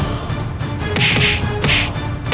aku akan terus memburumu